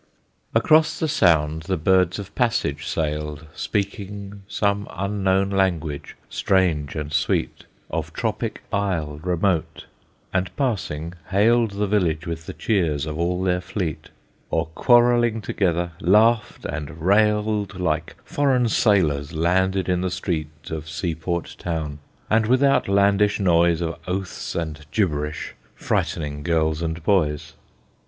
Across the Sound the birds of passage sailed, Speaking some unknown language strange and sweet Of tropic isle remote, and passing hailed The village with the cheers of all their fleet; Or quarrelling together, laughed and railed Like foreign sailors, landed in the street Of seaport town, and with outlandish noise Of oaths and gibberish frightening girls and boys.